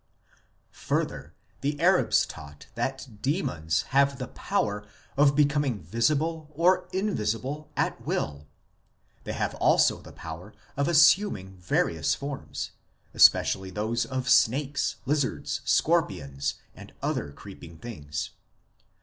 1 Further, the Arabs taught that demons have the power of becoming visible or invisible at will ; they have also the power of assuming various forms, especially those of snakes, lizards, scorpions, and other creeping things (see further below).